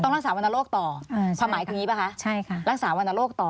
ต้องรักษาวนโรคต่อ